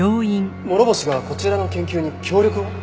諸星がこちらの研究に協力を？